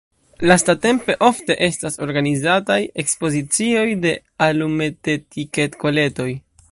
Lastatempe ofte estas organizataj ekspozicioj de alumetetiked-kolektoj.